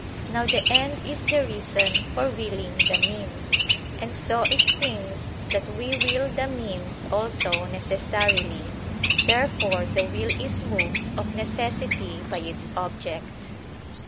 Now the end is the reason for willing the means; and so it seems that we will the means also necessarily. Therefore the will is moved of necessity by its object.